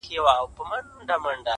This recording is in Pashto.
نور څه نه وای چي هر څه وای.!